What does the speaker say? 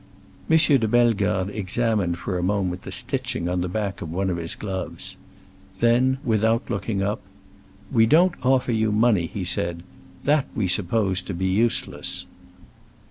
M. de Bellegarde examined for a moment the stitching on the back of one of his gloves. Then, without looking up, "We don't offer you money," he said. "That we supposed to be useless."